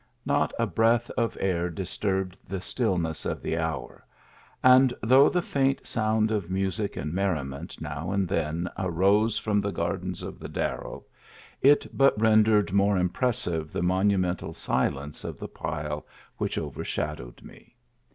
Not a breath of air disturbed the still ness of the hour, and though the faint sound of music and merriment now and then arose from the gardens of the Darro, it but rendered more impressive the monumental silence of the pile which overshadowed me.